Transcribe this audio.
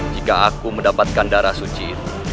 jika aku mendapatkan darah suci itu